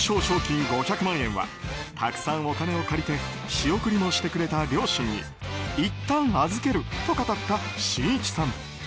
賞金５００万円はたくさんお金を借りて仕送りもしてくれた両親にいったん預けると語ったしんいちさん。